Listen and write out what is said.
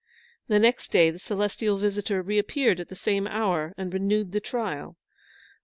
The next day the celestial visitor reappeared at the same hour and renewed the trial.